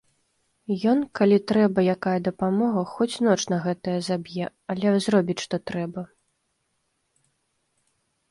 Ён, калі трэба якая дапамога, хоць ноч на гэта заб'е, але зробіць, што трэба.